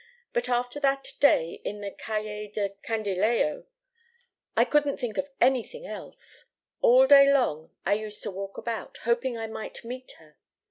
But after that day in the Calle del Candilejo I couldn't think of anything else. All day long I used to walk about, hoping I might meet her.